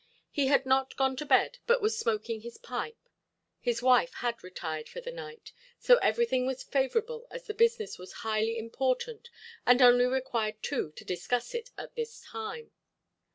He had not gone to bed but was smoking his pipe; his wife had retired for the night, so everything was favorable as the business was highly important and only required two to discuss it at this time.